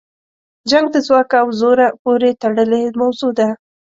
جنګ د ځواک او زوره پورې تړلې موضوع ده.